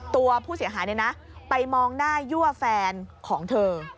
ตัวผู้เสียหายไปมองหน้ายั่วแฟนของเธอ